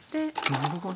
なるほど。